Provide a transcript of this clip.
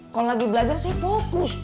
kalo lagi belajar saya fokus